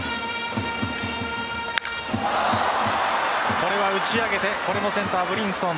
これは打ち上げてこれもセンター・ブリンソン。